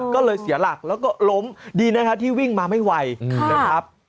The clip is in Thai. ก็เลยเสียหลักแล้วก็ล้มดีนะครับที่วิ่งมาไม่ไหวนะครับ